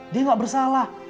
dia gak bersalah